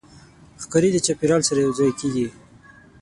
ښکاري د چاپېریال سره یوځای کېږي.